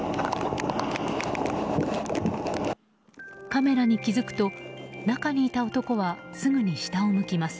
カメラに気付くと、中にいた男はすぐに下を向きます。